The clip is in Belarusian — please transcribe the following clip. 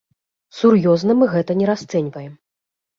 Сур'ёзна мы гэта не расцэньваем.